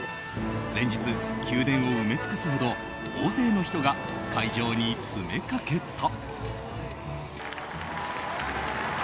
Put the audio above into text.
連日、宮殿を埋め尽くすほど大勢の人が会場に詰めかけた。